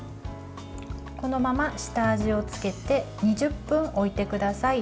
このまま下味をつけて２０分置いてください。